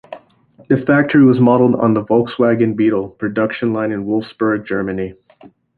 The factory was modeled on the Volkswagen Beetle production line in Wolfsburg, Germany.